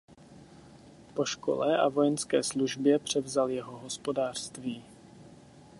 Po škole a vojenské službě převzal jeho hospodářství.